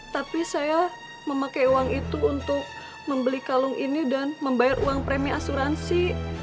tapi saya memakai uang itu untuk membeli kalung ini dan membayar uang premi asuransi